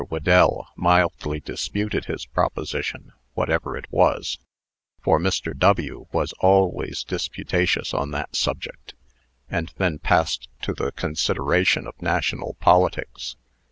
Whedell mildly disputed his proposition (whatever it was) for Mr. W. was always disputatious on that subject and then passed to the consideration of national politics.